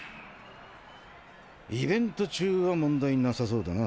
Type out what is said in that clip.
イベント中は問題なさそうだな。